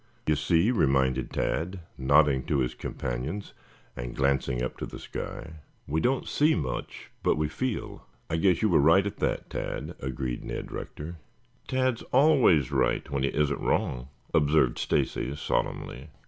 "You see," reminded Tad, nodding to his companions and glancing up to the sky. "We don't see much, but we feel. I guess you were right at that, Tad," agreed Ned Rector. "Tad's always right when he isn't wrong," observed Stacy solemnly.